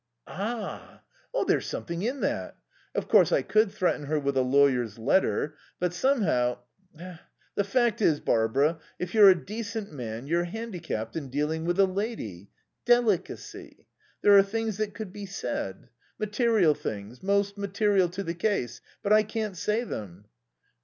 "Ah h. There's something in that. Of course, I could threaten her with a lawyer's letter. But somehow The fact is, Barbara, if you're a decent man you're handicapped in dealing with a lady. Delicacy. There are things that could be said. Material things most material to the case. But I can't say them."